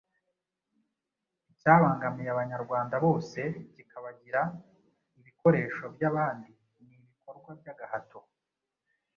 icyabangamiye Abanyarwanda bose, kikabagira ibikoresho by'abandi ni ibikorwa by'agahato